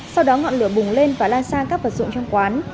sau đó ngọn lửa bùng lên và lan sang các vật dụng trong quán